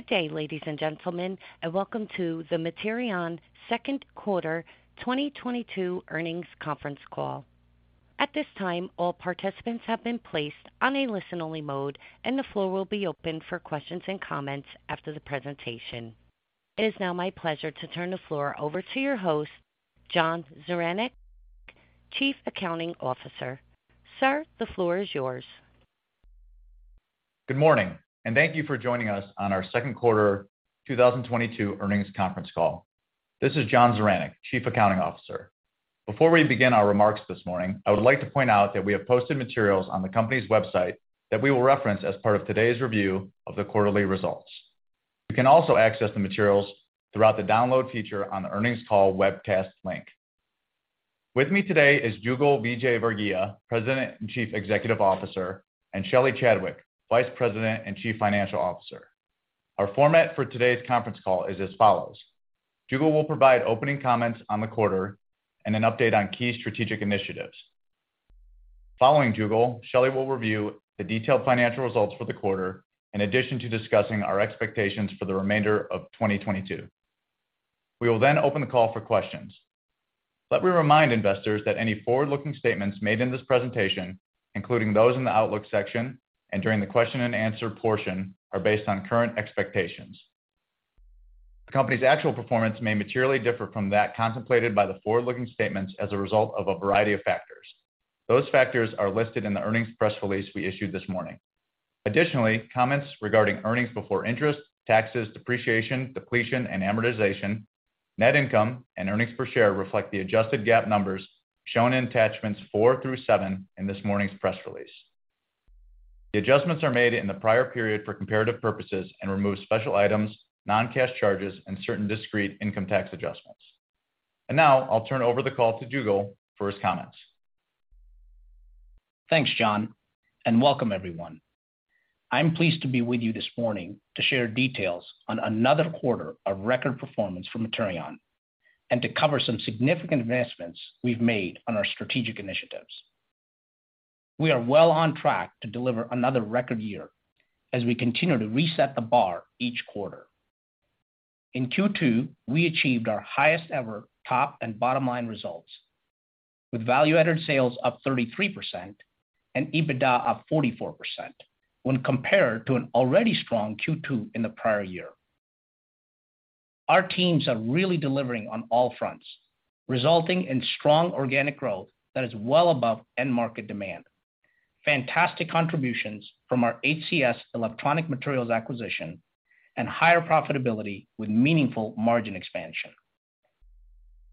Good day, ladies and gentlemen, and welcome to the Materion second quarter 2022 earnings conference call. At this time, all participants have been placed on a listen-only mode, and the floor will be open for questions and comments after the presentation. It is now my pleasure to turn the floor over to your host, John Zaranec, Chief Accounting Officer. Sir, the floor is yours. Good morning, and thank you for joining us on our second quarter 2022 earnings conference call. This is John Zaranec, Chief Accounting Officer. Before we begin our remarks this morning, I would like to point out that we have posted materials on the company's website that we will reference as part of today's review of the quarterly results. You can also access the materials throughout the download feature on the earnings call webcast link. With me today is Jugal Vijayvargiya, President and Chief Executive Officer, and Shelly Chadwick, Vice President and Chief Financial Officer. Our format for today's conference call is as follows. Jugal will provide opening comments on the quarter and an update on key strategic initiatives. Following Jugal, Shelly will review the detailed financial results for the quarter in addition to discussing our expectations for the remainder of 2022. We will then open the call for questions. Let me remind investors that any forward-looking statements made in this presentation, including those in the outlook section and during the question and answer portion, are based on current expectations. The company's actual performance may materially differ from that contemplated by the forward-looking statements as a result of a variety of factors. Those factors are listed in the earnings press release we issued this morning. Additionally, comments regarding earnings before interest, taxes, depreciation, depletion, and amortization, net income, and earnings per share reflect the adjusted GAAP numbers shown in attachments four through seveb in this morning's press release. The adjustments are made in the prior period for comparative purposes and remove special items, non-cash charges, and certain discrete income tax adjustments. Now I'll turn over the call to Jugal for his comments. Thanks, John, and welcome everyone. I'm pleased to be with you this morning to share details on another quarter of record performance for Materion and to cover some significant advancements we've made on our strategic initiatives. We are well on track to deliver another record year as we continue to reset the bar each quarter. In Q2, we achieved our highest ever top and bottom line results with value-added sales up 33% and EBITDA up 44% when compared to an already strong Q2 in the prior year. Our teams are really delivering on all fronts, resulting in strong organic growth that is well above end market demand, fantastic contributions from our HCS-Electronic Materials acquisition, and higher profitability with meaningful margin expansion.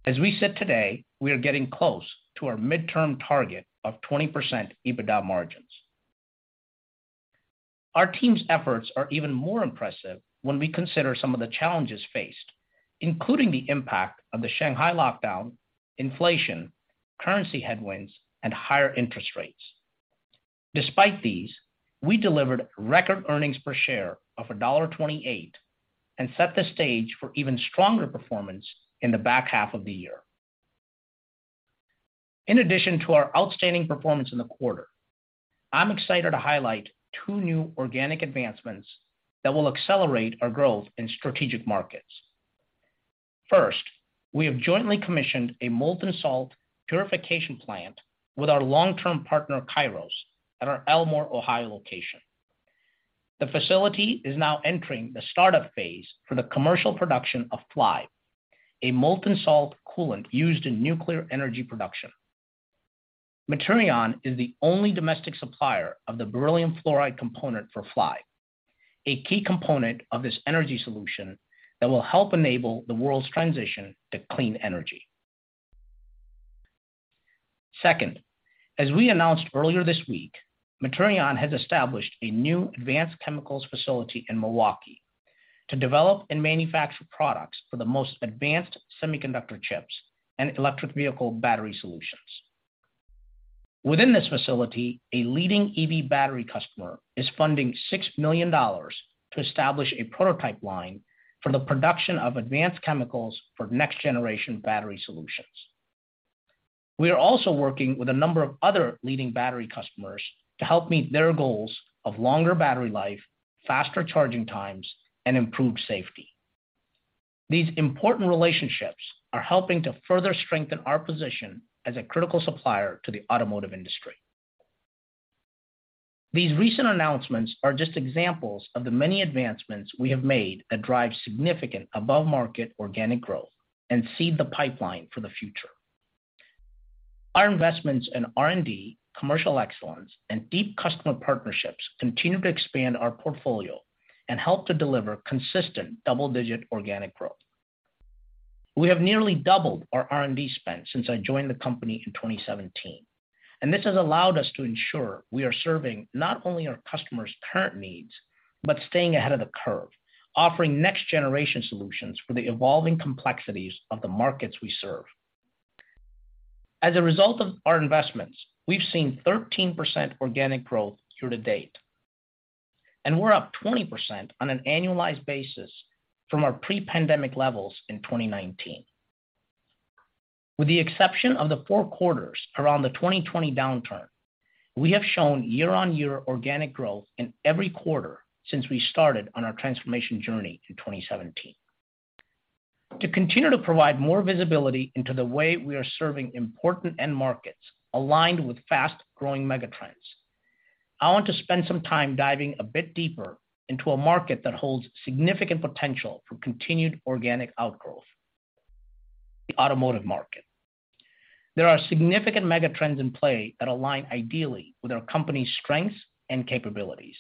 As we sit today, we are getting close to our midterm target of 20% EBITDA margins. Our team's efforts are even more impressive when we consider some of the challenges faced, including the impact of the Shanghai lockdown, inflation, currency headwinds, and higher interest rates. Despite these, we delivered record earnings per share of $1.28 and set the stage for even stronger performance in the back half of the year. In addition to our outstanding performance in the quarter, I'm excited to highlight two new organic advancements that will accelerate our growth in strategic markets. First, we have jointly commissioned a molten salt purification plant with our long-term partner, Kairos, at our Elmore, Ohio location. The facility is now entering the startup phase for the commercial production of FLiBe, a molten salt coolant used in nuclear energy production. Materion is the only domestic supplier of the beryllium fluoride component for FLiBe, a key component of this energy solution that will help enable the world's transition to clean energy. Second, as we announced earlier this week, Materion has established a new advanced chemicals facility in Milwaukee to develop and manufacture products for the most advanced semiconductor chips and electric vehicle battery solutions. Within this facility, a leading EV battery customer is funding $6 million to establish a prototype line for the production of advanced chemicals for next generation battery solutions. We are also working with a number of other leading battery customers to help meet their goals of longer battery life, faster charging times, and improved safety. These important relationships are helping to further strengthen our position as a critical supplier to the automotive industry. These recent announcements are just examples of the many advancements we have made that drive significant above-market organic growth and seed the pipeline for the future. Our investments in R&D, commercial excellence, and deep customer partnerships continue to expand our portfolio and help to deliver consistent double-digit organic growth. We have nearly doubled our R&D spend since I joined the company in 2017, and this has allowed us to ensure we are serving not only our customers' current needs, but staying ahead of the curve, offering next generation solutions for the evolving complexities of the markets we serve. As a result of our investments, we've seen 13% organic growth through to date, and we're up 20% on an annualized basis from our pre-pandemic levels in 2019. With the exception of the four quarters around the 2020 downturn, we have shown year-on-year organic growth in every quarter since we started on our transformation journey in 2017. To continue to provide more visibility into the way we are serving important end markets aligned with fast-growing megatrends, I want to spend some time diving a bit deeper into a market that holds significant potential for continued organic outgrowth, the automotive market. There are significant megatrends in play that align ideally with our company's strengths and capabilities.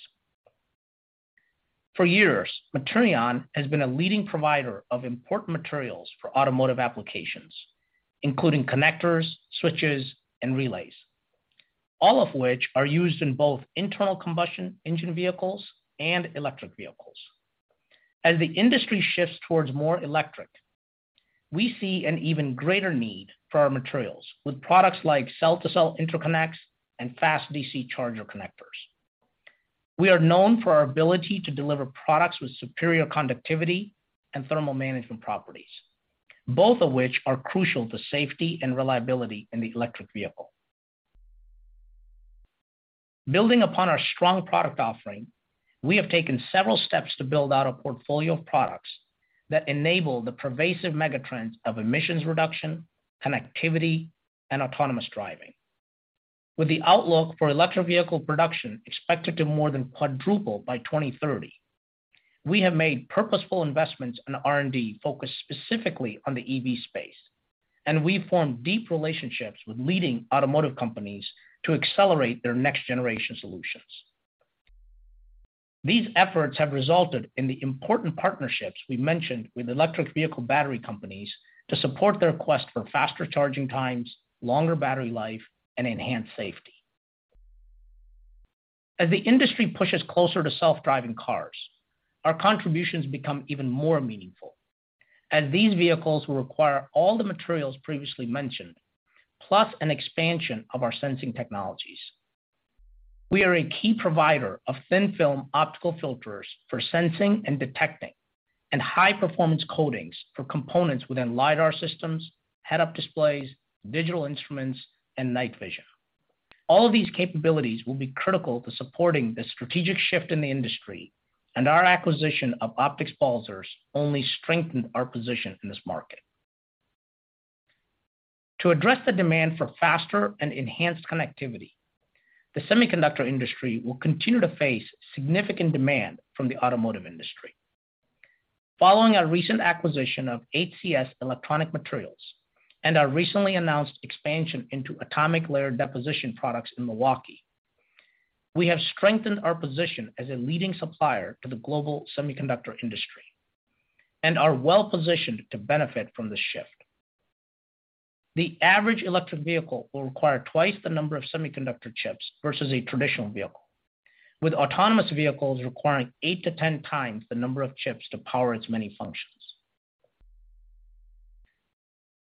For years, Materion has been a leading provider of important materials for automotive applications, including connectors, switches, and relays, all of which are used in both internal combustion engine vehicles and electric vehicles. As the industry shifts towards more electric, we see an even greater need for our materials with products like cell-to-cell interconnects and fast DC charger connectors. We are known for our ability to deliver products with superior conductivity and thermal management properties, both of which are crucial to safety and reliability in the electric vehicle. Building upon our strong product offering, we have taken several steps to build out a portfolio of products that enable the pervasive megatrends of emissions reduction, connectivity, and autonomous driving. With the outlook for electric vehicle production expected to more than quadruple by 2030, we have made purposeful investments in R&D focused specifically on the EV space, and we've formed deep relationships with leading automotive companies to accelerate their next-generation solutions. These efforts have resulted in the important partnerships we mentioned with electric vehicle battery companies to support their quest for faster charging times, longer battery life, and enhanced safety. As the industry pushes closer to self-driving cars, our contributions become even more meaningful as these vehicles will require all the materials previously mentioned, plus an expansion of our sensing technologies. We are a key provider of thin-film optical filters for sensing and detecting, and high-performance coatings for components within LiDAR systems, head-up displays, digital instruments, and night vision. All of these capabilities will be critical to supporting the strategic shift in the industry, and our acquisition of Optics Balzers only strengthened our position in this market. To address the demand for faster and enhanced connectivity, the semiconductor industry will continue to face significant demand from the automotive industry. Following our recent acquisition of HCS-Electronic Materials and our recently announced expansion into Atomic Layer Deposition products in Milwaukee, we have strengthened our position as a leading supplier to the global semiconductor industry and are well-positioned to benefit from this shift. The average electric vehicle will require twice the number of semiconductor chips versus a traditional vehicle, with autonomous vehicles requiring eight to 10 times the number of chips to power its many functions.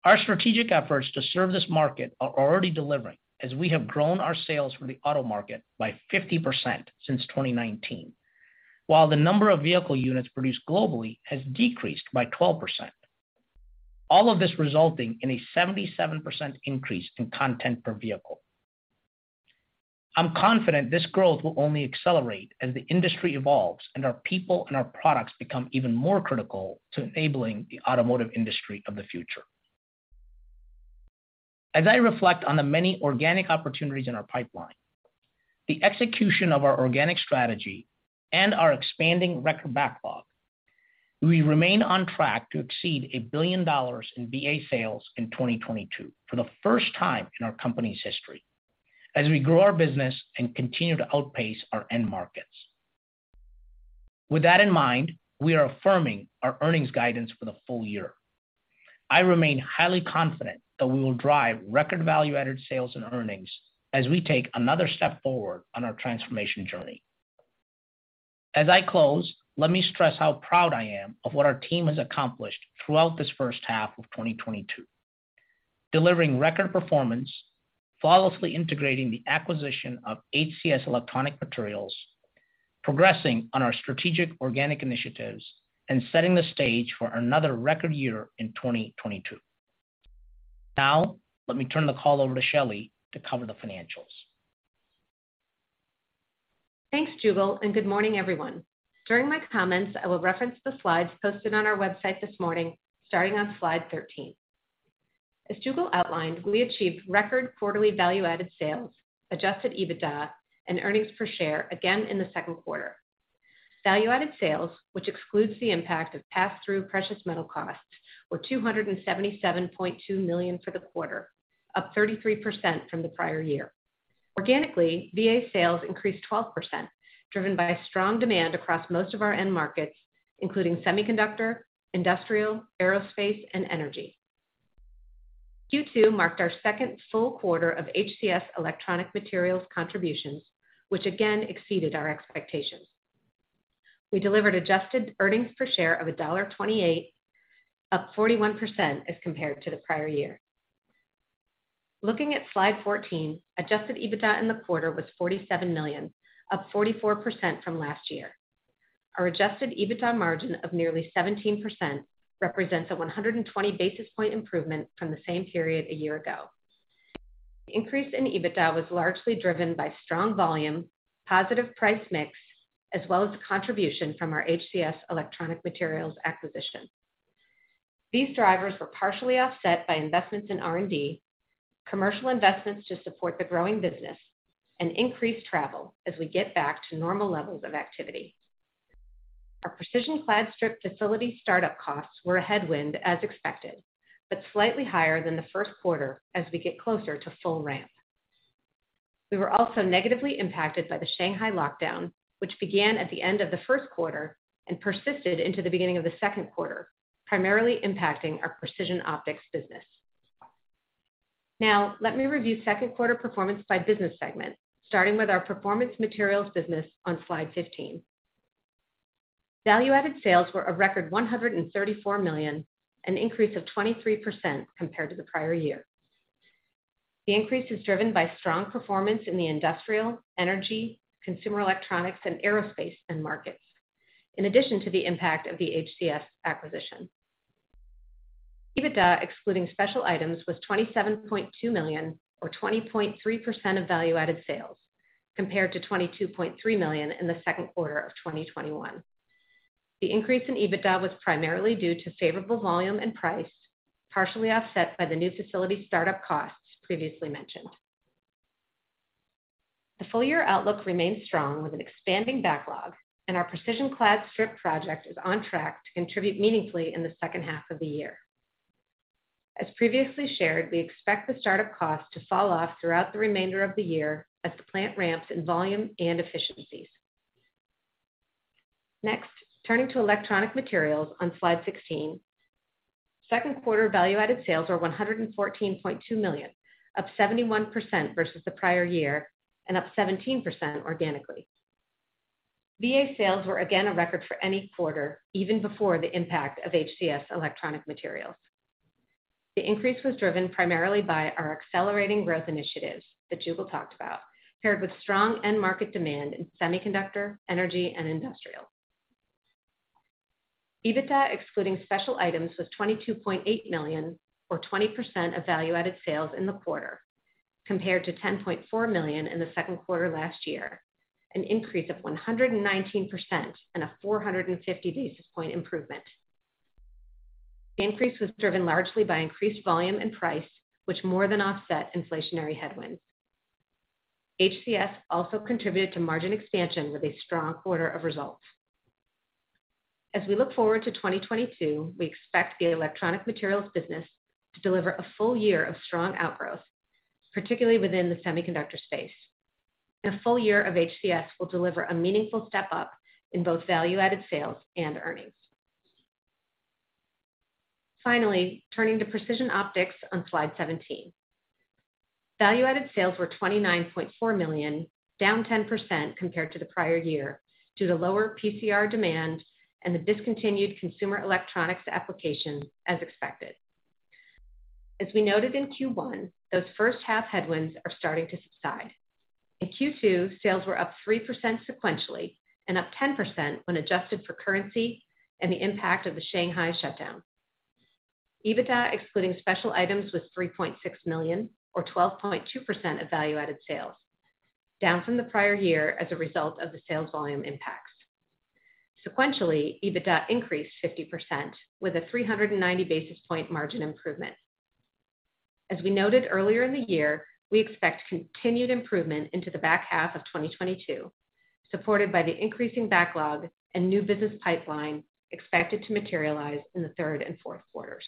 Our strategic efforts to serve this market are already delivering as we have grown our sales for the auto market by 50% since 2019, while the number of vehicle units produced globally has decreased by 12%. All of this resulting in a 77% increase in content per vehicle. I'm confident this growth will only accelerate as the industry evolves and our people and our products become even more critical to enabling the automotive industry of the future. As I reflect on the many organic opportunities in our pipeline, the execution of our organic strategy, and our expanding record backlog, we remain on track to exceed $1 billion in VA sales in 2022 for the first time in our company's history as we grow our business and continue to outpace our end markets. With that in mind, we are affirming our earnings guidance for the full year. I remain highly confident that we will drive record value-added sales and earnings as we take another step forward on our transformation journey. As I close, let me stress how proud I am of what our team has accomplished throughout this first half of 2022, delivering record performance, flawlessly integrating the acquisition of HCS-Electronic Materials, progressing on our strategic organic initiatives, and setting the stage for another record year in 2022. Now, let me turn the call over to Shelly to cover the financials. Thanks, Jugal, and good morning, everyone. During my comments, I will reference the slides posted on our website this morning, starting on slide 13. As Jugal outlined, we achieved record quarterly value-added sales, adjusted EBITDA, and earnings per share again in the second quarter. Value-added sales, which excludes the impact of pass-through precious metal costs, were $277.2 million for the quarter, up 33% from the prior year. Organically, VA sales increased 12%, driven by strong demand across most of our end markets, including semiconductor, industrial, aerospace, and energy. Q2 marked our second full quarter of HCS-Electronic Materials contributions, which again exceeded our expectations. We delivered adjusted earnings per share of $1.28, up 41% as compared to the prior year. Looking at slide 14, adjusted EBITDA in the quarter was $47 million, up 44% from last year. Our adjusted EBITDA margin of nearly 17% represents a 120 basis point improvement from the same period a year ago. The increase in EBITDA was largely driven by strong volume, positive price mix, as well as the contribution from our HCS-Electronic Materials acquisition. These drivers were partially offset by investments in R&D, commercial investments to support the growing business and increased travel as we get back to normal levels of activity. Our precision clad strip facility startup costs were a headwind as expected, but slightly higher than the first quarter as we get closer to full ramp. We were also negatively impacted by the Shanghai lockdown, which began at the end of the first quarter and persisted into the beginning of the second quarter, primarily impacting our Precision Optics business. Now let me review second quarter performance by business segment, starting with our Performance Materials business on slide 15. Value-added sales were a record $134 million, an increase of 23% compared to the prior year. The increase is driven by strong performance in the industrial, energy, consumer electronics and aerospace end markets, in addition to the impact of the HCS acquisition. EBITDA, excluding special items, was $27.2 million, or 20.3% of value-added sales, compared to $22.3 million in the second quarter of 2021. The increase in EBITDA was primarily due to favorable volume and price, partially offset by the new facility startup costs previously mentioned. The full year outlook remains strong with an expanding backlog, and our precision clad strip project is on track to contribute meaningfully in the second half of the year. As previously shared, we expect the start of costs to fall off throughout the remainder of the year as the plant ramps in volume and efficiencies. Next, turning to Electronic Materials on slide 16. Second quarter value-added sales were $114.2 million, up 71% versus the prior year and up 17% organically. VA sales were again a record for any quarter even before the impact of HCS-Electronic Materials. The increase was driven primarily by our accelerating growth initiatives that Jugal talked about, paired with strong end market demand in semiconductor, energy and industrial. EBITDA, excluding special items, was $22.8 million, or 20% of value-added sales in the quarter, compared to $10.4 million in the second quarter last year, an increase of 119% and a 450 basis point improvement. The increase was driven largely by increased volume and price, which more than offset inflationary headwinds. HCS also contributed to margin expansion with a strong quarter of results. As we look forward to 2022, we expect the Electronic Materials business to deliver a full year of strong outgrowth, particularly within the semiconductor space. A full year of HCS will deliver a meaningful step up in both Value-added sales and earnings. Finally, turning to Precision Optics on slide 17. Value-added sales were $29.4 million, down 10% compared to the prior year due to lower PCR demand and the discontinued consumer electronics application as expected. As we noted in Q1, those first half headwinds are starting to subside. In Q2, sales were up 3% sequentially and up 10% when adjusted for currency and the impact of the Shanghai shutdown. EBITDA, excluding special items, was $3.6 million, or 12.2% of value-added sales, down from the prior year as a result of the sales volume impacts. Sequentially, EBITDA increased 50% with a 390 basis point margin improvement. We noted earlier in the year, we expect continued improvement into the back half of 2022, supported by the increasing backlog and new business pipeline expected to materialize in the third and fourth quarters.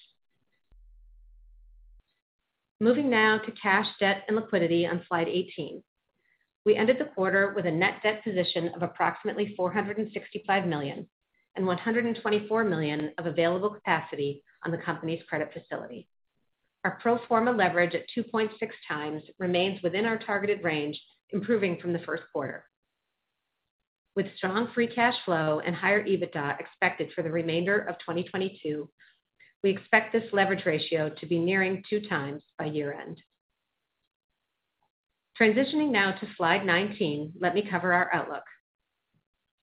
Moving now to cash, debt, and liquidity on slide 18. We ended the quarter with a net debt position of approximately $465 million and $124 million of available capacity on the company's credit facility. Our pro forma leverage at 2.6x remains within our targeted range, improving from the first quarter. With strong free cash flow and higher EBITDA expected for the remainder of 2022, we expect this leverage ratio to be nearing 2x by year end. Transitioning now to slide 19, let me cover our outlook.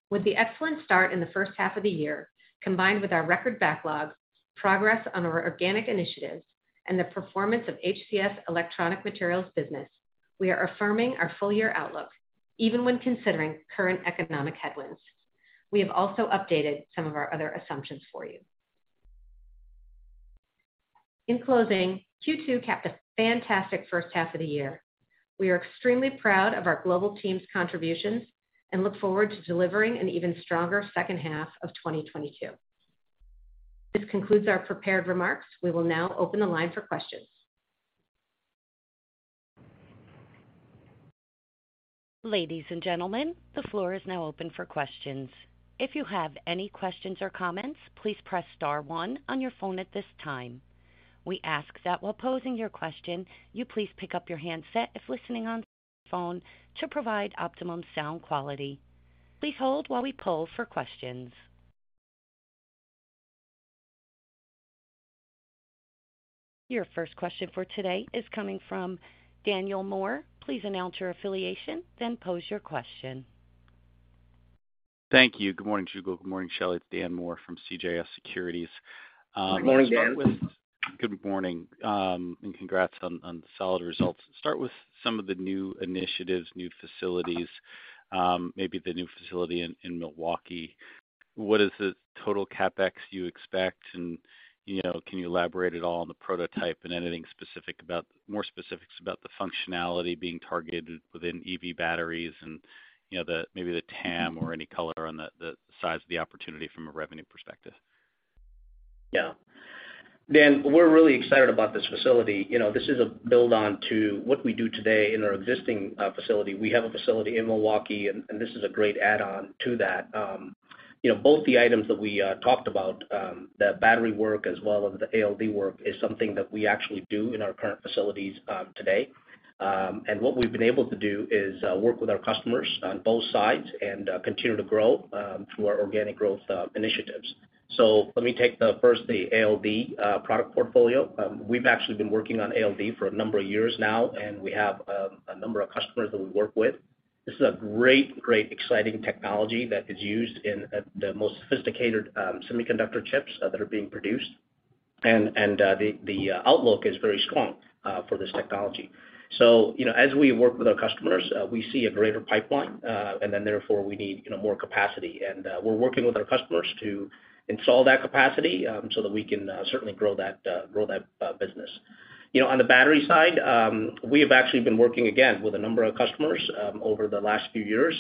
With the excellent start in the first half of the year, combined with our record backlog, progress on our organic initiatives, and the performance of HCS-Electronic Materials business, we are affirming our full year outlook even when considering current economic headwinds. We have also updated some of our other assumptions for you. In closing, Q2 capped a fantastic first half of the year. We are extremely proud of our global team's contributions and look forward to delivering an even stronger second half of 2022. This concludes our prepared remarks. We will now open the line for questions. Ladies and gentlemen, the floor is now open for questions. If you have any questions or comments, please press star one on your phone at this time. We ask that while posing your question, you please pick up your handset if listening on phone to provide optimum sound quality. Please hold while we poll for questions. Your first question for today is coming from Daniel Moore. Please announce your affiliation, then pose your question. Thank you. Good morning, Jugal. Good morning, Shelly. It's Dan Moore from CJS Securities. Good morning, Dan. Good morning. Congrats on the solid results. Start with some of the new initiatives, new facilities, maybe the new facility in Milwaukee. What is the total CapEx you expect? You know, can you elaborate at all on the prototype and anything specific about more specifics about the functionality being targeted within EV batteries and, you know, maybe the TAM or any color on the size of the opportunity from a revenue perspective. Yeah. Dan, we're really excited about this facility. You know, this is a build on to what we do today in our existing facility. We have a facility in Milwaukee and this is a great add-on to that. You know, both the items that we talked about, the battery work as well as the ALD work is something that we actually do in our current facilities today. And what we've been able to do is work with our customers on both sides and continue to grow through our organic growth initiatives. Let me take the first, the ALD product portfolio. We've actually been working on ALD for a number of years now, and we have a number of customers that we work with. This is a great exciting technology that is used in the most sophisticated semiconductor chips that are being produced. The outlook is very strong for this technology. You know, as we work with our customers, we see a greater pipeline and then therefore we need you know more capacity. We're working with our customers to install that capacity so that we can certainly grow that business. You know, on the battery side, we have actually been working again with a number of customers over the last few years.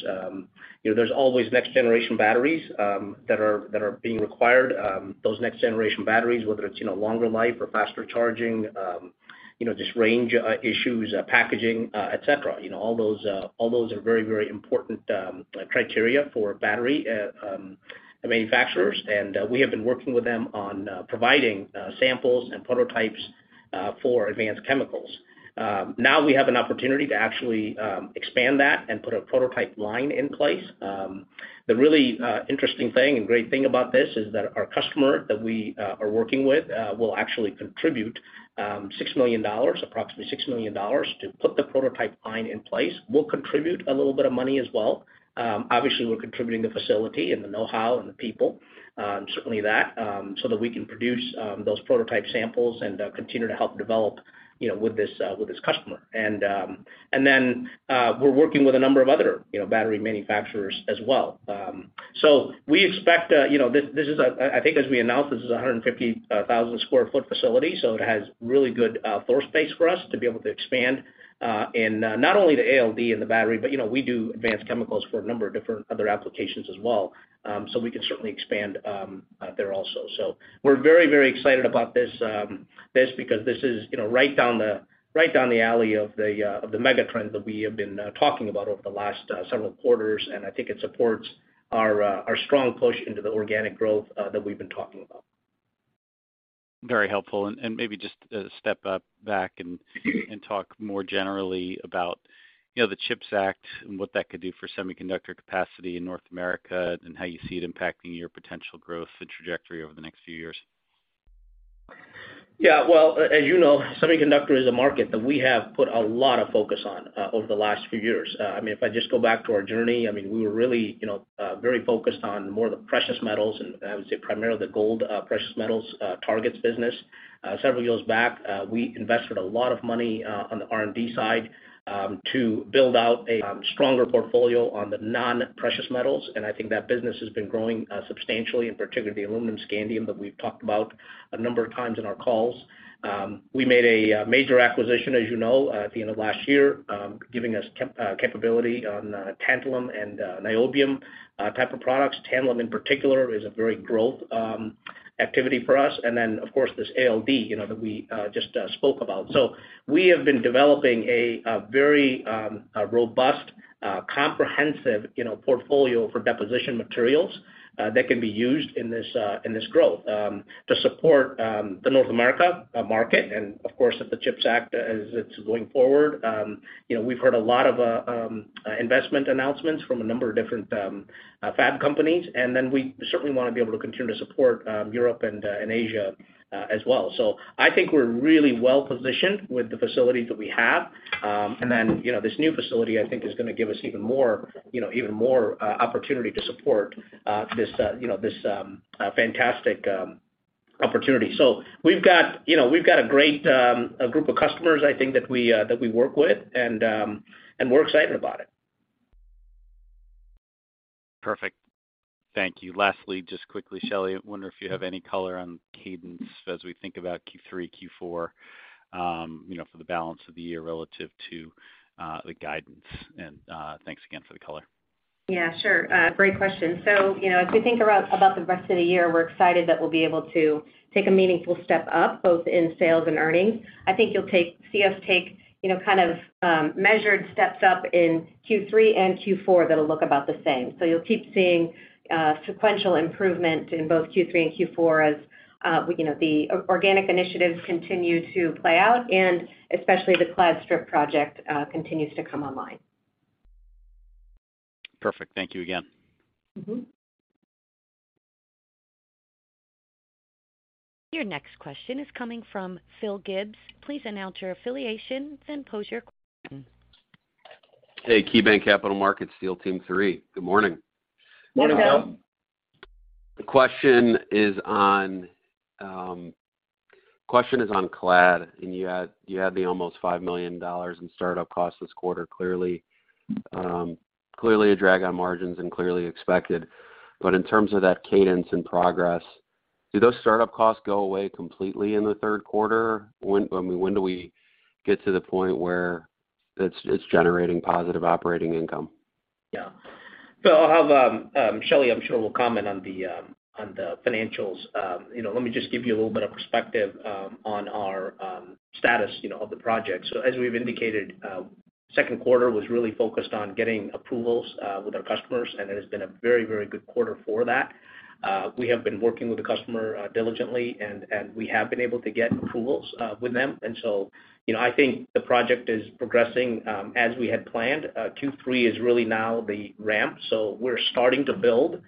You know, there's always next generation batteries that are being required. Those next generation batteries, whether it's, you know, longer life or faster charging, you know, just range issues, packaging, et cetera. You know, all those are very, very important criteria for battery manufacturers. We have been working with them on providing samples and prototypes for advanced chemicals. Now we have an opportunity to actually expand that and put a prototype line in place. The really interesting thing and great thing about this is that our customer that we are working with will actually contribute $6 million, approximately $6 million to put the prototype line in place. We'll contribute a little bit of money as well. Obviously, we're contributing the facility and the know-how and the people, certainly that so that we can produce those prototype samples and continue to help develop, you know, with this customer. We're working with a number of other, you know, battery manufacturers as well. We expect, you know, I think as we announced, this is a 150,000 sq ft facility, so it has really good floor space for us to be able to expand in not only the ALD and the battery, but, you know, we do advanced chemicals for a number of different other applications as well. We can certainly expand there also. We're very excited about this because this is, you know, right down the alley of the megatrend that we have been talking about over the last several quarters, and I think it supports our strong push into the organic growth that we've been talking about. Very helpful. Maybe just step back and talk more generally about, you know, the CHIPS Act and what that could do for semiconductor capacity in North America and how you see it impacting your potential growth and trajectory over the next few years. Yeah. Well, as you know, semiconductor is a market that we have put a lot of focus on over the last few years. I mean, if I just go back to our journey, I mean, we were really, you know, very focused on more of the precious metals and I would say primarily the gold precious metals targets business. Several years back, we invested a lot of money on the R&D side to build out a stronger portfolio on the non-precious metals, and I think that business has been growing substantially, in particular the aluminum-scandium that we've talked about a number of times in our calls. We made a major acquisition, as you know, at the end of last year, giving us capability on tantalum and niobium type of products. Tantalum in particular is a very growth activity for us. Of course, this ALD, you know, that we just spoke about. We have been developing a very robust comprehensive, you know, portfolio for deposition materials that can be used in this growth to support the North America market. Of course, if the CHIPS Act as it's going forward, you know, we've heard a lot of investment announcements from a number of different fab companies, and then we certainly wanna be able to continue to support Europe and Asia as well. I think we're really well-positioned with the facilities that we have. You know, this new facility I think is gonna give us even more opportunity to support this you know this fantastic opportunity. We've got you know a great group of customers I think that we work with and we're excited about it. Perfect. Thank you. Lastly, just quickly, Shelly, I wonder if you have any color on cadence as we think about Q3, Q4, you know, for the balance of the year relative to the guidance? Thanks again for the color. Yeah, sure. Great question. You know, as we think about the rest of the year, we're excited that we'll be able to take a meaningful step up, both in sales and earnings. I think you'll see us take, you know, kind of, measured steps up in Q3 and Q4 that'll look about the same. You'll keep seeing sequential improvement in both Q3 and Q4 as, you know, the organic initiatives continue to play out and especially the clad strip project continues to come online. Perfect. Thank you again. Your next question is coming from Phil Gibbs. Please announce your affiliation then pose your question. Hey, KeyBanc Capital Markets, steel team three. Good morning. Morning, Phil. The question is on clad, and you had almost $5 million in start-up costs this quarter, clearly expected. In terms of that cadence and progress, do those start-up costs go away completely in the third quarter? When do we get to the point where it's generating positive operating income? Yeah. I'll have Shelly, I'm sure will comment on the financials. You know, let me just give you a little bit of perspective on our status, you know, of the project. As we've indicated, second quarter was really focused on getting approvals with our customers, and it has been a very, very good quarter for that. We have been working with the customer diligently, and we have been able to get approvals with them. You know, I think the project is progressing as we had planned. Q3 is really now the ramp, so we're starting to build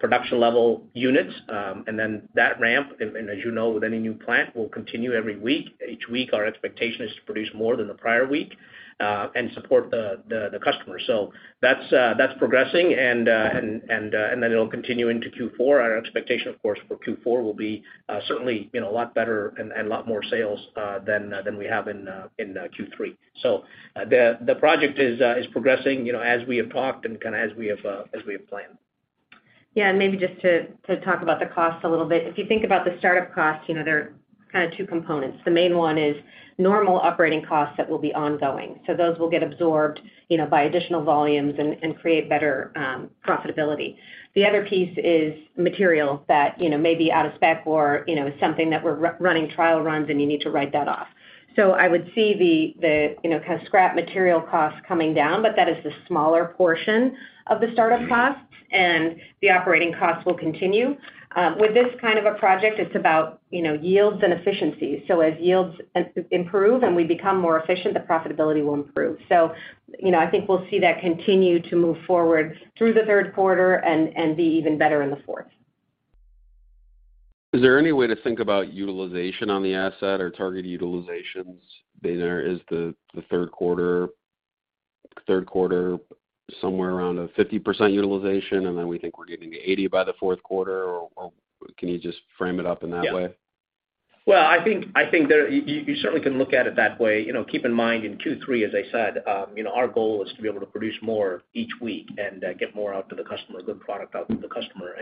production-level units, and then that ramp, and as you know, with any new plant, will continue every week. Each week, our expectation is to produce more than the prior week and support the customer. That's progressing and then it'll continue into Q4. Our expectation, of course, for Q4 will be certainly, you know, a lot better and a lot more sales than we have in Q3. The project is progressing, you know, as we have talked and kinda as we have planned. Yeah. Maybe just to talk about the costs a little bit. If you think about the startup costs, you know, there are kinda two components. The main one is normal operating costs that will be ongoing. Those will get absorbed, you know, by additional volumes and create better profitability. The other piece is material that, you know, may be out of spec or, you know, something that we're running trial runs, and you need to write that off. I would see the you know, kinda scrap material costs coming down, but that is the smaller portion of the startup costs, and the operating costs will continue. With this kind of a project, it's about, you know, yields and efficiencies. As yields improve and we become more efficient, the profitability will improve. You know, I think we'll see that continue to move forward through the third quarter and be even better in the fourth. Is there any way to think about utilization on the asset or target utilizations being there? Is the third quarter somewhere around a 50% utilization, and then we think we're getting to 80 by the fourth quarter, or can you just frame it up in that way? Yeah. Well, I think you certainly can look at it that way. You know, keep in mind, in Q3, as I said, you know, our goal is to be able to produce more each week and get more out to the customer, good product out to the customer.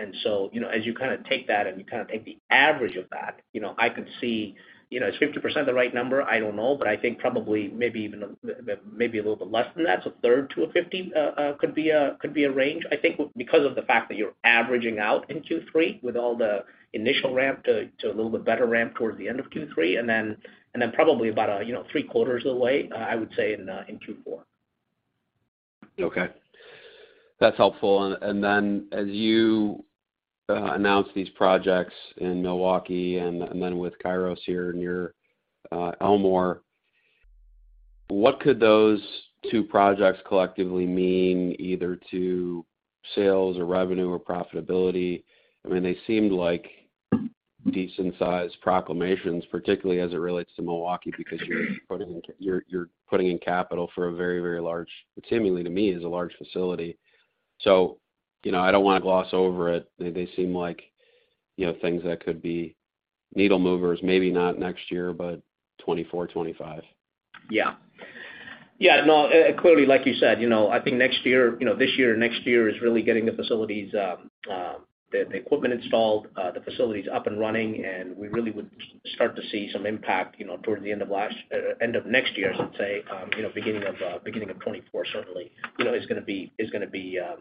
You know, as you kinda take that and you kinda take the average of that, you know, I could see. You know, is 50% the right number? I don't know. I think probably maybe even a little bit less than that, 1/3 to a 50% could be a range. I think because of the fact that you're averaging out in Q3 with all the initial ramp to a little bit better ramp towards the end of Q3, and then probably about, you know, three-quarters of the way, I would say in Q4. Okay. That's helpful. Then as you announce these projects in Milwaukee and then with Kairos here near Elmore, what could those two projects collectively mean either to sales or revenue or profitability? I mean, they seemed like decent-sized proclamations, particularly as it relates to Milwaukee, because you're putting in capital for a very large facility. You know, I don't wanna gloss over it. They seem like, you know, things that could be needle movers, maybe not next year, but 2024, 2025. Yeah. Yeah, no, clearly, like you said, you know, I think next year, you know, this year or next year is really getting the facilities, the equipment installed, the facilities up and running, and we really would start to see some impact, you know, towards the end of next year, I should say. You know, beginning of 2024 certainly, you know, is gonna be impactful,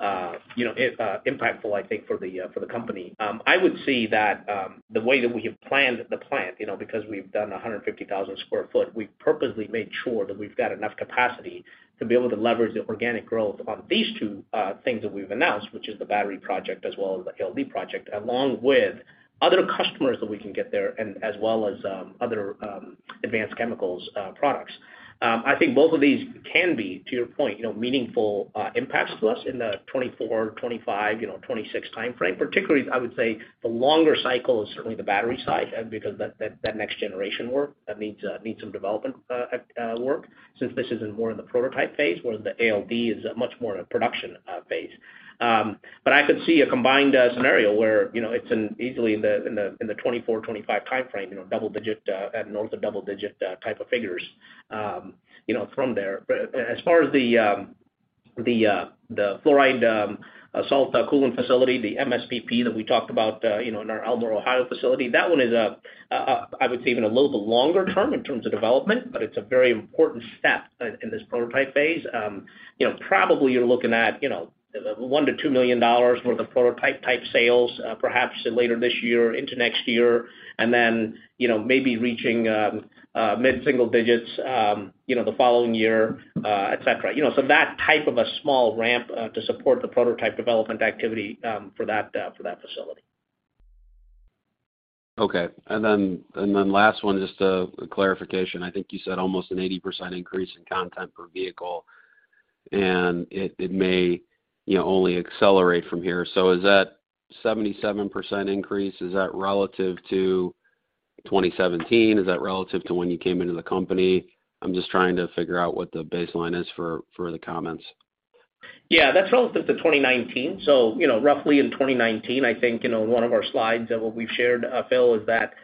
I think for the company. I would see that the way that we have planned the plant, you know, because we've done 150,000 sq ft, we've purposely made sure that we've got enough capacity to be able to leverage the organic growth on these two things that we've announced, which is the battery project as well as the ALD project, along with other customers that we can get there, as well as other advanced chemicals products. I think both of these can be, to your point, you know, meaningful impacts to us in the 2024, 2025, you know, 2026 timeframe. Particularly, I would say the longer cycle is certainly the battery side, because that next generation work needs some development work, since this is more in the prototype phase, whereas the ALD is much more in a production phase. But I could see a combined scenario where, you know, it's easily in the 2024, 2025 timeframe, you know, double-digit at north of double-digit type of figures, you know, from there. As far as the fluoride salt cooling facility, the MSPP that we talked about, you know, in our Elmore, Ohio facility, that one is, I would say even a little bit longer term in terms of development, but it's a very important step in this prototype phase. You know, probably you're looking at, you know, $1 million-$2 million worth of prototype-type sales, perhaps later this year into next year. You know, maybe reaching mid-single digits, you know, the following year, et cetera. You know, so that type of a small ramp to support the prototype development activity for that facility. Okay. Then last one, just a clarification. I think you said almost an 80% increase in content per vehicle, and it may, you know, only accelerate from here. Is that 77% increase, is that relative to 2017? Is that relative to when you came into the company? I'm just trying to figure out what the baseline is for the comments. Yeah. That's relative to 2019. You know, roughly in 2019, I think, you know, in one of our slides that what we've shared, Phil, is that,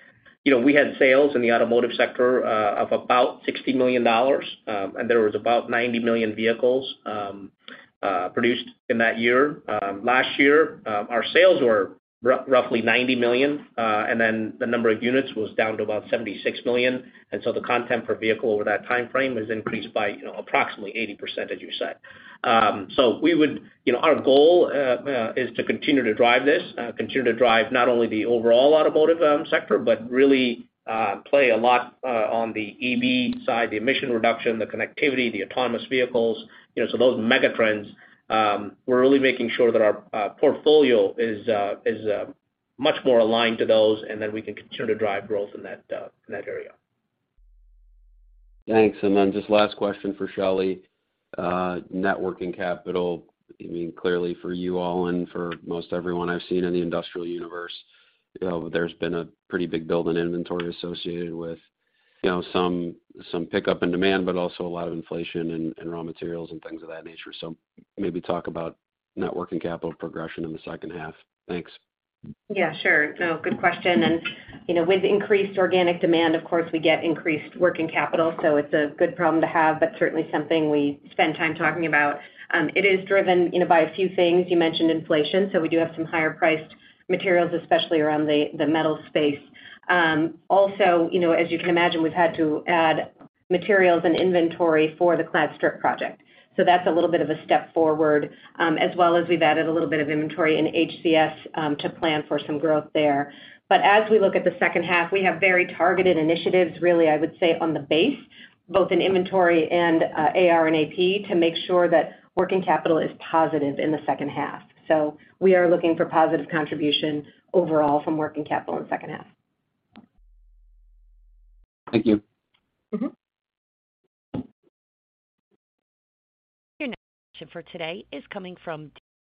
you know, we had sales in the automotive sector of about $60 million, and there was about 90 million vehicles produced in that year. Last year, our sales were roughly $90 million, and then the number of units was down to about 76 million. The content per vehicle over that timeframe has increased by, you know, approximately 80% as you said. You know, our goal is to continue to drive this, continue to drive not only the overall automotive sector, but really play a lot on the EV side, the emission reduction, the connectivity, the autonomous vehicles. You know, those mega trends, we're really making sure that our portfolio is much more aligned to those, and then we can continue to drive growth in that area. Thanks. Just last question for Shelly. Working capital, I mean, clearly for you all and for most everyone I've seen in the industrial universe, you know, there's been a pretty big build in inventory associated with, you know, some pickup in demand, but also a lot of inflation in raw materials and things of that nature. Maybe talk about working capital progression in the second half. Thanks. Yeah, sure. No, good question. You know, with increased organic demand, of course, we get increased working capital, so it's a good problem to have, but certainly something we spend time talking about. It is driven, you know, by a few things. You mentioned inflation, so we do have some higher priced materials, especially around the metal space. Also, you know, as you can imagine, we've had to add materials and inventory for the clad strip project. That's a little bit of a step forward, as well as we've added a little bit of inventory in HCS to plan for some growth there. As we look at the second half, we have very targeted initiatives, really. I would say on the base, both in inventory and AR and AP, to make sure that working capital is positive in the second half. We are looking for positive contribution overall from working capital in second half. Thank you. Your next question for today is coming from David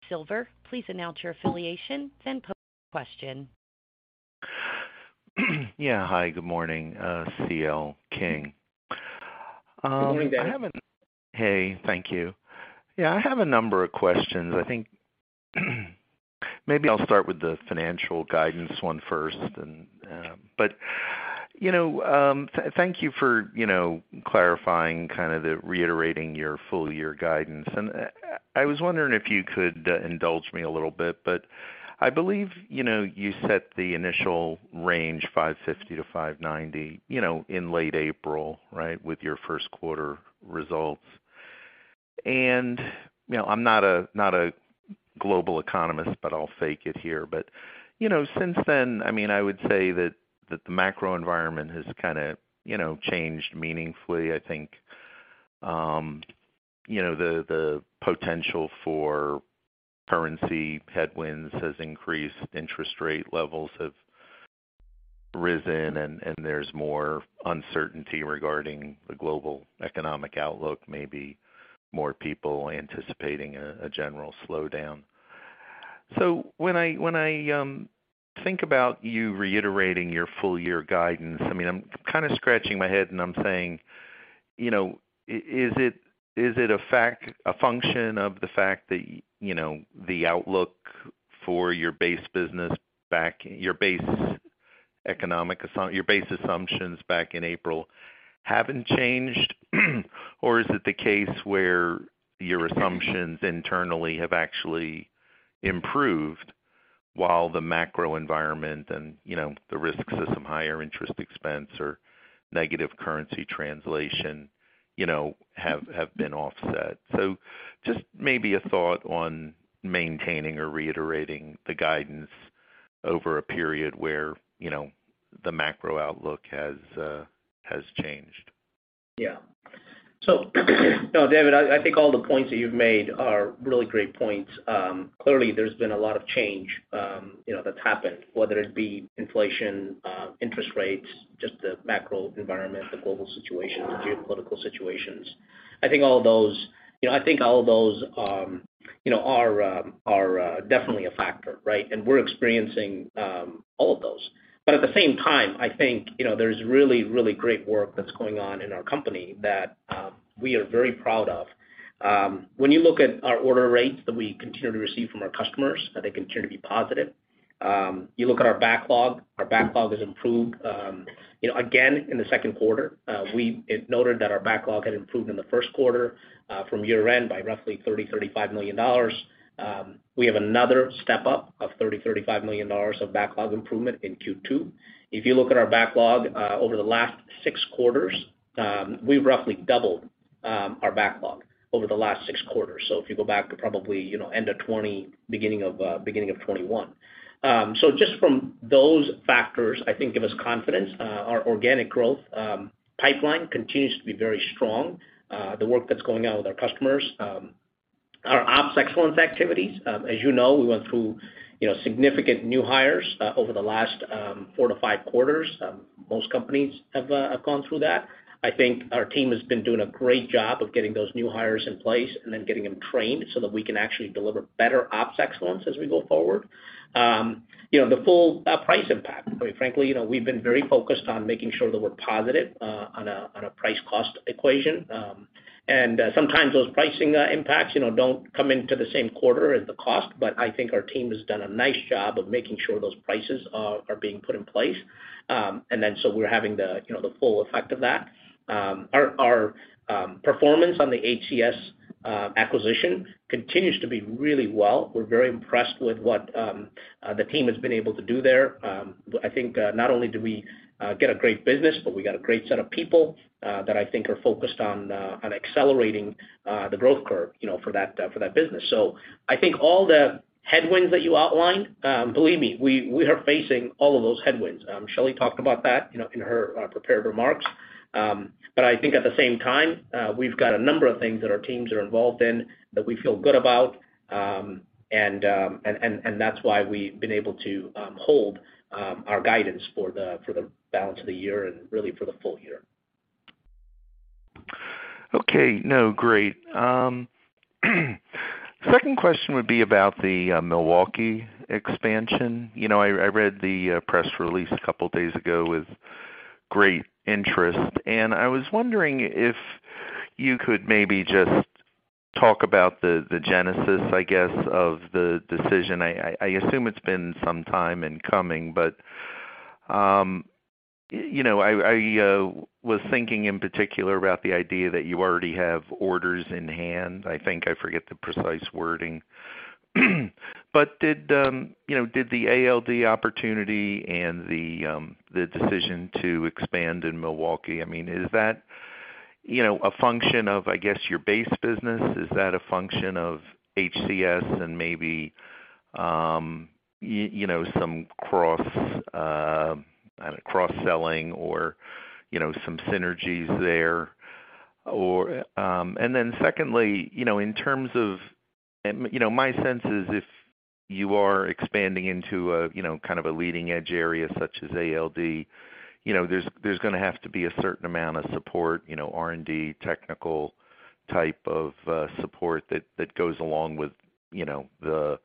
Silver. Please announce your affiliation, then pose your question. Yeah. Hi, good morning, C.L. King. Good morning, David. Hey, thank you. Yeah, I have a number of questions. I think maybe I'll start with the financial guidance one first. You know, thank you for, you know, clarifying kind of the reiterating your full year guidance. I was wondering if you could indulge me a little bit, but I believe, you know, you set the initial range, $550-$590, you know, in late April, right? With your first quarter results. You know, I'm not a global economist, but I'll fake it here. You know, since then, I mean, I would say that the macro environment has kind of, you know, changed meaningfully. I think, you know, the potential for currency headwinds has increased, interest rate levels have risen, and there's more uncertainty regarding the global economic outlook, maybe more people anticipating a general slowdown. When I think about you reiterating your full year guidance, I mean, I'm kinda scratching my head and I'm saying, you know, is it a function of the fact that, you know, the outlook for your base business, your base assumptions back in April haven't changed? Or is it the case where your assumptions internally have actually improved while the macro environment and, you know, the risks of some higher interest expense or negative currency translation, you know, have been offset? Just maybe a thought on maintaining or reiterating the guidance over a period where, you know, the macro outlook has changed. Yeah. No, David, I think all the points that you've made are really great points. Clearly there's been a lot of change, you know, that's happened, whether it be inflation, interest rates, just the macro environment, the global situation, the geopolitical situations. I think all of those, you know, are definitely a factor, right? We're experiencing all of those. At the same time, I think, you know, there's really, really great work that's going on in our company that we are very proud of. When you look at our order rates that we continue to receive from our customers, they continue to be positive. You look at our backlog, our backlog has improved, you know, again, in the second quarter. We noted that our backlog had improved in the first quarter from year-end by roughly $30 million-$35 million. We have another step-up of $30 million-$35 million of backlog improvement in Q2. If you look at our backlog over the last six quarters, we've roughly doubled our backlog over the last six quarters. If you go back to probably, you know, end of 2020, beginning of 2021. Just from those factors, I think give us confidence. Our organic growth pipeline continues to be very strong. The work that's going on with our customers. Our ops excellence activities. As you know, we went through, you know, significant new hires over the last four to five quarters. Most companies have gone through that. I think our team has been doing a great job of getting those new hires in place and then getting them trained so that we can actually deliver better ops excellence as we go forward. You know, the full price impact. I mean, frankly, you know, we've been very focused on making sure that we're positive on a price cost equation. Sometimes those pricing impacts, you know, don't come into the same quarter as the cost, but I think our team has done a nice job of making sure those prices are being put in place. We're having the, you know, the full effect of that. Our performance on the HCS acquisition continues to be really well. We're very impressed with what the team has been able to do there. I think not only do we get a great business, but we got a great set of people that I think are focused on accelerating the growth curve, you know, for that business. I think all the headwinds that you outlined, believe me, we are facing all of those headwinds. Shelly talked about that, you know, in her prepared remarks. I think at the same time, we've got a number of things that our teams are involved in that we feel good about. That's why we've been able to hold our guidance for the balance of the year and really for the full year. Okay. No, great. Second question would be about the Milwaukee expansion. You know, I read the press release a couple of days ago with great interest, and I was wondering if you could maybe just talk about the genesis, I guess, of the decision. I assume it's been some time in coming, but you know, I was thinking in particular about the idea that you already have orders in hand, I think. I forget the precise wording. Did you know, did the ALD opportunity and the decision to expand in Milwaukee, I mean, is that, you know, a function of, I guess, your base business? Is that a function of HCS and maybe you know, some cross kind of cross-selling or, you know, some synergies there? Secondly, you know, in terms of. You know, my sense is if you are expanding into a, you know, kind of a leading edge area such as ALD, you know, there's gonna have to be a certain amount of support, you know, R&D, technical type of support that goes along with, you know, the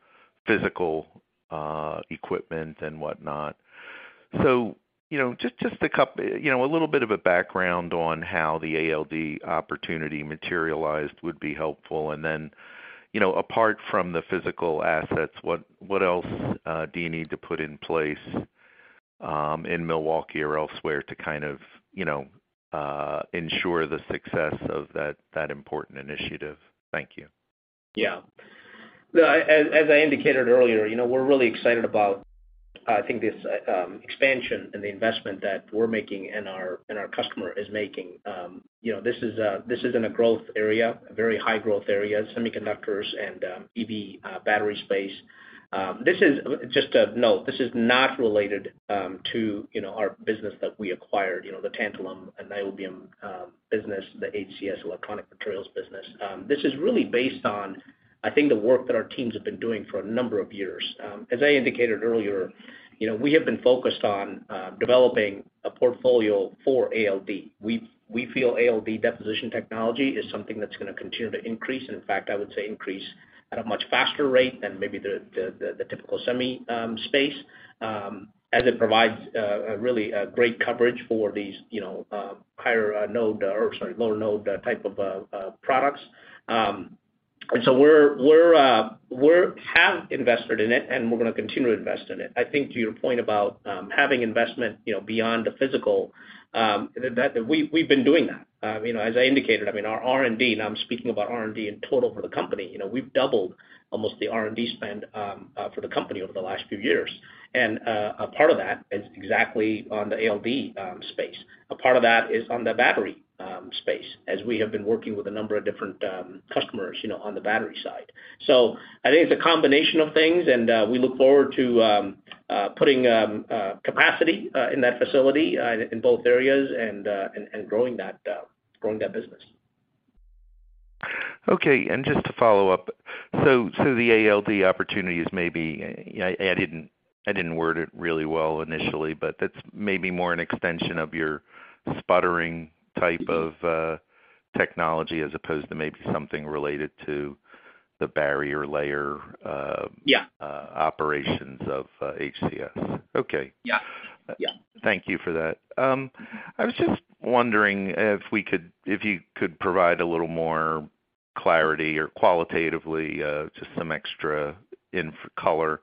physical equipment and whatnot. You know, a little bit of a background on how the ALD opportunity materialized would be helpful. Apart from the physical assets, what else do you need to put in place in Milwaukee or elsewhere to kind of, you know, ensure the success of that important initiative? Thank you. Yeah. No, as I indicated earlier, you know, we're really excited about, I think, this expansion and the investment that we're making and our customer is making. You know, this is in a growth area, a very high growth area, semiconductors and EV battery space. This is just a note. This is not related to, you know, our business that we acquired, you know, the tantalum and niobium business, the HCS-Electronic Materials business. This is really based on, I think, the work that our teams have been doing for a number of years. As I indicated earlier, you know, we have been focused on developing a portfolio for ALD. We feel ALD deposition technology is something that's gonna continue to increase, and in fact, I would say increase at a much faster rate than maybe the typical semi space, as it provides a really great coverage for these, you know, lower node type of products. We have invested in it, and we're gonna continue to invest in it. I think to your point about having investment, you know, beyond the physical, that we've been doing that. You know, as I indicated, I mean, our R&D, now I'm speaking about R&D in total for the company. You know, we've doubled almost the R&D spend for the company over the last few years. A part of that is exactly on the ALD space. A part of that is on the battery space, as we have been working with a number of different customers, you know, on the battery side. I think it's a combination of things, and we look forward to putting capacity in that facility in both areas and growing that business. Okay. Just to follow up. The ALD opportunity is maybe, I didn't word it really well initially, but that's maybe more an extension of your sputtering type of, technology as opposed to maybe something related to the barrier layer. Yeah. Operations of HCS. Okay. Yeah. Yeah. Thank you for that. I was just wondering if you could provide a little more clarity or qualitatively just some extra info color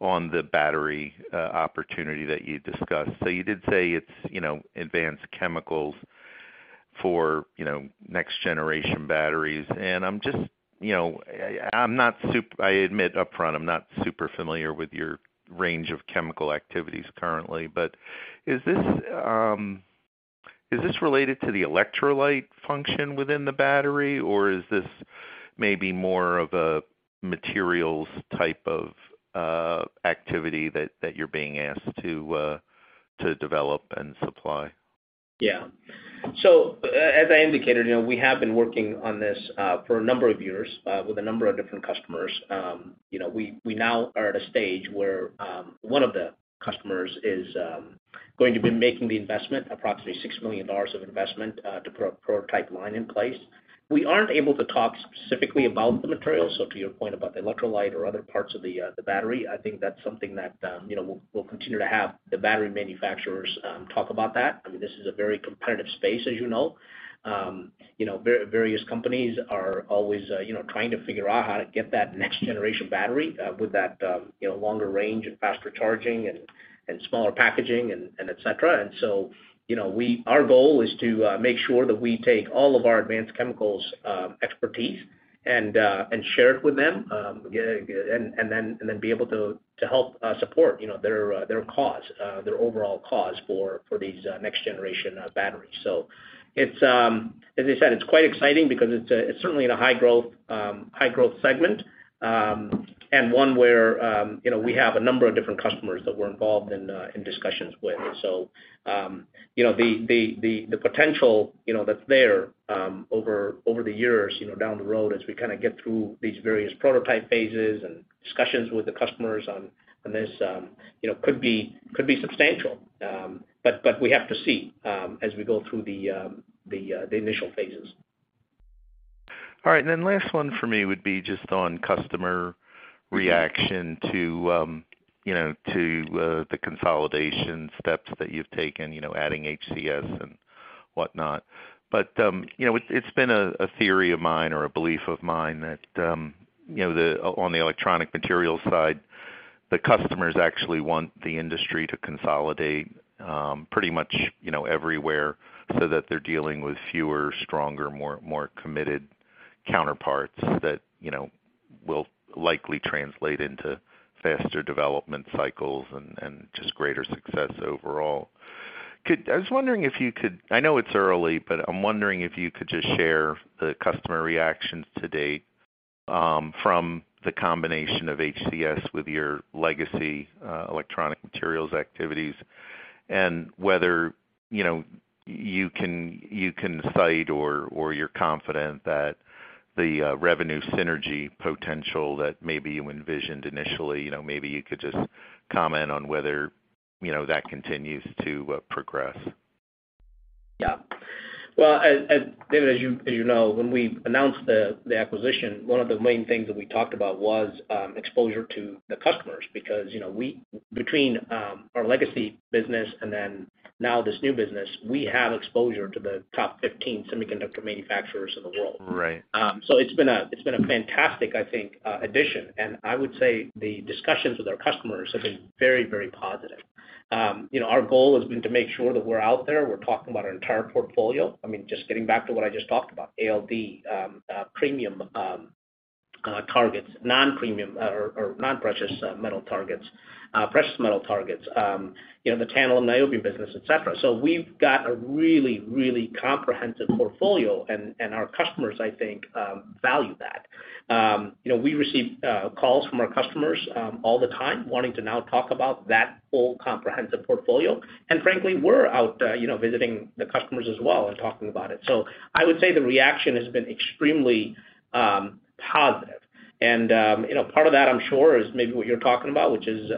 on the battery opportunity that you discussed. So you did say it's, you know, advanced chemicals for, you know, next generation batteries. I'm just, you know, I'm not super familiar with your range of chemical activities currently. But is this related to the electrolyte function within the battery, or is this maybe more of a materials type of activity that you're being asked to develop and supply? Yeah. As I indicated, you know, we have been working on this for a number of years with a number of different customers. You know, we now are at a stage where one of the customers is going to be making the investment, approximately $6 million of investment, to put a prototype line in place. We aren't able to talk specifically about the materials. To your point about the electrolyte or other parts of the battery, I think that's something that you know, we'll continue to have the battery manufacturers talk about that. I mean, this is a very competitive space, as you know. You know, various companies are always, you know, trying to figure out how to get that next generation battery, with that, you know, longer range and faster charging and smaller packaging and et cetera. You know, our goal is to make sure that we take all of our advanced chemicals expertise and share it with them and then be able to help support, you know, their cause, their overall cause for these next generation batteries. It's, as I said, quite exciting because it's certainly in a high growth segment and one where, you know, we have a number of different customers that we're involved in discussions with. You know, the potential that's there over the years, you know, down the road as we kind of get through these various prototype phases and discussions with the customers on this, you know, could be substantial. We have to see, as we go through the initial phases. All right. Last one for me would be just on customer reaction to, you know, to the consolidation steps that you've taken, you know, adding HCS and whatnot. You know, it's been a theory of mine or a belief of mine that, you know, on the electronic materials side, the customers actually want the industry to consolidate, pretty much, you know, everywhere so that they're dealing with fewer, stronger, more committed counterparts that, you know, will likely translate into faster development cycles and just greater success overall. I was wondering if you could. I know it's early, but I'm wondering if you could just share the customer reactions to date from the combination of HCS with your legacy electronic materials activities and whether, you know, you can cite or you're confident that the revenue synergy potential that maybe you envisioned initially, you know, maybe you could just comment on whether, you know, that continues to progress. Yeah. Well, as you know, David, when we announced the acquisition, one of the main things that we talked about was exposure to the customers because, you know, between our legacy business and then now this new business, we have exposure to the top 15 semiconductor manufacturers in the world. Right. It's been a fantastic, I think, addition. I would say the discussions with our customers have been very, very positive. You know, our goal has been to make sure that we're out there, we're talking about our entire portfolio. I mean, just getting back to what I just talked about, ALD, premium targets, non-premium or non-precious metal targets, precious metal targets, you know, the tantalum niobium business, etc. We've got a really, really comprehensive portfolio and our customers, I think, value that. You know, we receive calls from our customers all the time wanting to now talk about that full comprehensive portfolio. Frankly, we're out, you know, visiting the customers as well and talking about it. I would say the reaction has been extremely positive. You know, part of that I'm sure is maybe what you're talking about, which is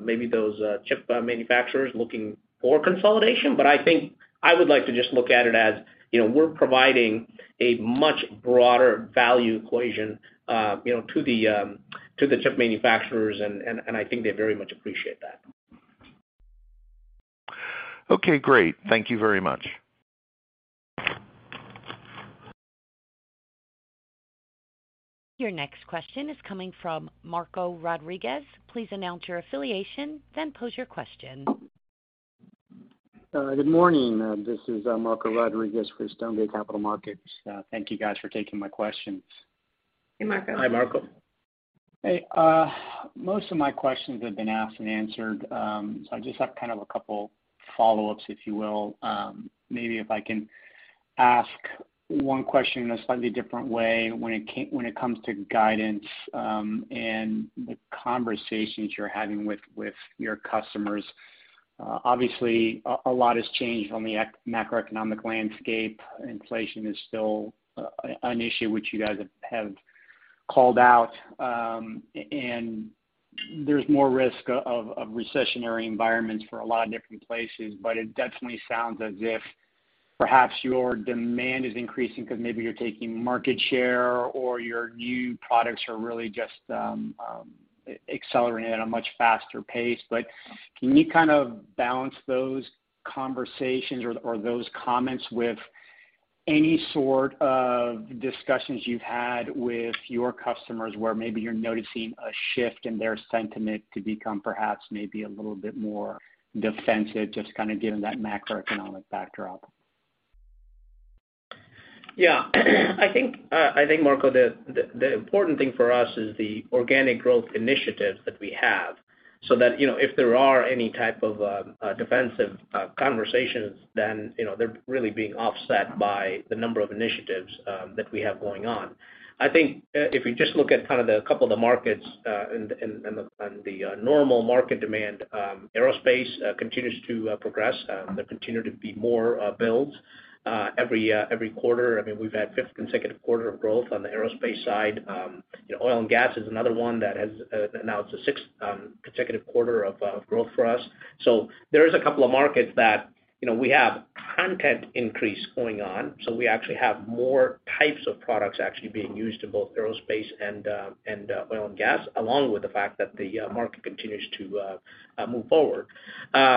maybe those chip manufacturers looking for consolidation. I think I would like to just look at it as you know, we're providing a much broader value equation you know, to the chip manufacturers, and I think they very much appreciate that. Okay, great. Thank you very much. Your next question is coming from Marco Rodriguez. Please announce your affiliation, then pose your question. Good morning. This is Marco Rodriguez for Stonegate Capital Markets. Thank you guys for taking my questions. Hey, Marco. Hi, Marco. Hey, most of my questions have been asked and answered. I just have kind of a couple follow-ups, if you will. Maybe if I can ask one question in a slightly different way when it comes to guidance, and the conversations you're having with your customers. Obviously a lot has changed on the macroeconomic landscape. Inflation is still an issue which you guys have called out. There's more risk of recessionary environments for a lot of different places. It definitely sounds as if perhaps your demand is increasing because maybe you're taking market share or your new products are really just accelerating at a much faster pace. Can you kind of balance those conversations or those comments with any sort of discussions you've had with your customers where maybe you're noticing a shift in their sentiment to become perhaps maybe a little bit more defensive, just kind of given that macroeconomic backdrop? Yeah. I think, Marco, the important thing for us is the organic growth initiatives that we have. That, you know, if there are any type of defensive conversations, then, you know, they're really being offset by the number of initiatives that we have going on. I think if you just look at kind of a couple of the markets and the normal market demand, aerospace continues to progress. There continue to be more builds every quarter. I mean, we've had fifth consecutive quarter of growth on the aerospace side. You know, oil and gas is another one that has now it's the sixth consecutive quarter of growth for us. There is a couple of markets that, you know, we have content increase going on, so we actually have more types of products actually being used in both aerospace and oil and gas, along with the fact that the market continues to move forward. You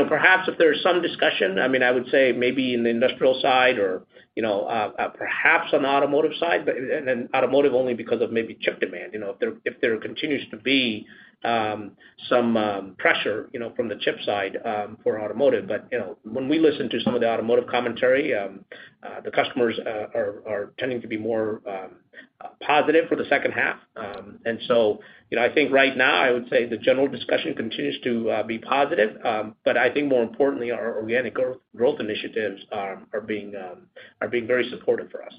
know, perhaps if there's some discussion, I mean, I would say maybe in the industrial side or, you know, perhaps on automotive side, and automotive only because of maybe chip demand, you know. If there continues to be some pressure, you know, from the chip side, for automotive. You know, when we listen to some of the automotive commentary, the customers are tending to be more positive for the second half. You know, I think right now I would say the general discussion continues to be positive. I think more importantly, our organic growth initiatives are being very supportive for us.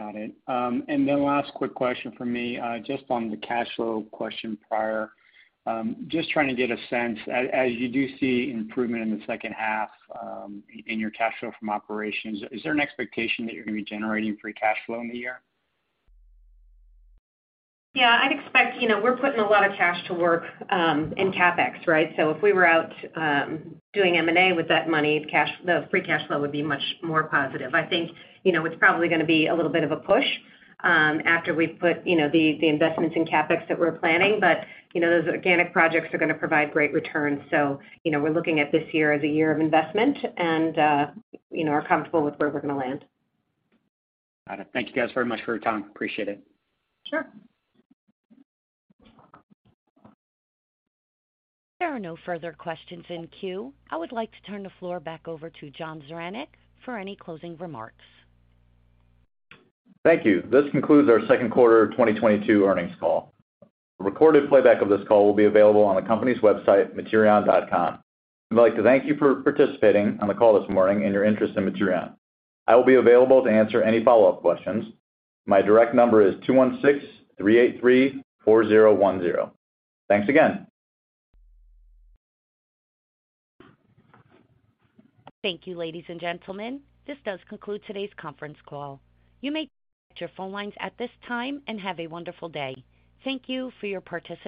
Got it. Last quick question from me, just on the cash flow question prior. Just trying to get a sense, as you do see improvement in the second half, in your cash flow from operations, is there an expectation that you're gonna be generating free cash flow in the year? Yeah, I'd expect. You know, we're putting a lot of cash to work in CapEx, right? If we were out doing M&A with that money, the free cash flow would be much more positive. I think, you know, it's probably gonna be a little bit of a push after we've put, you know, the investments in CapEx that we're planning. You know, those organic projects are gonna provide great returns. You know, we're looking at this year as a year of investment and, you know, are comfortable with where we're gonna land. Got it. Thank you guys very much for your time. Appreciate it. Sure. There are no further questions in queue. I would like to turn the floor back over to John Zaranec for any closing remarks. Thank you. This concludes our second quarter of 2022 earnings call. A recorded playback of this call will be available on the company's website, materion.com. I'd like to thank you for participating on the call this morning and your interest in Materion. I will be available to answer any follow-up questions. My direct number is 216-383-4010. Thanks again. Thank you, ladies and gentlemen. This does conclude today's conference call. You may disconnect your phone lines at this time and have a wonderful day. Thank you for your participation.